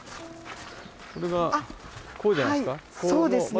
これがこうじゃないですか？